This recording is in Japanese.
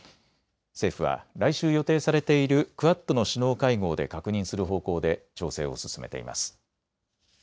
政府は来週予定されているクアッドの首脳会合で確認する方向で調整を進めています。